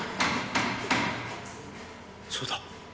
そうだ。